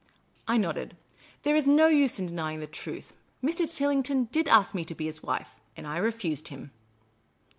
I nodded. " There is no use in denying the truth. Mr. Tillington did ask me to be his wife, and I refused him."